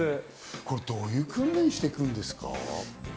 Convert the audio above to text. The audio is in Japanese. これどういう訓練していくんですか？